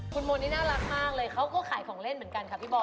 คุณมนต์นี่น่ารักมากเลยเขาก็ขายของเล่นเหมือนกันค่ะพี่บอล